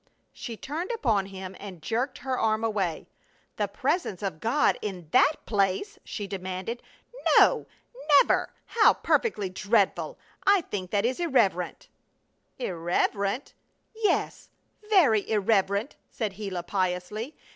She turned upon him and jerked her arm away. "The Presence of God in that place?" she demanded. "No! Never! How perfectly dreadful! I think that is irreverent!" "Irreverent?" "Yes! Very irreverent!" said Gila, piously.